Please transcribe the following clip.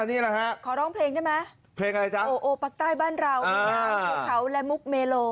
นี่แหละฮะขอร้องเพลงได้ไหมเพลงอะไรจ๊ะโอโอปักใต้บ้านเรานี่ไงภูเขาและมุกเมโล